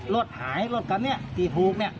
รถหายรถกันเนี่ยดิพลูกเนี่ย